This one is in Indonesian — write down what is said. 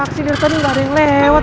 paksi dari tadi gak ada yang lewat